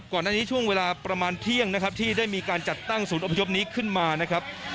ก่อนหน้านี้ช่วงเวลาประมาณเที่ยงนะครับที่ได้มีการจัดตั้งศูนย์อพยพนี้ขึ้นมานะครับ